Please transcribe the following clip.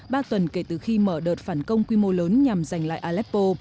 ba tuần kể từ khi mở đợt phản công quy mô lớn nhằm giành lại aleppo